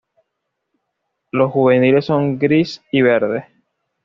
Los juveniles son gris y verde.